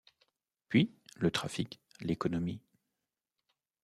Puis le trafic, l’économie.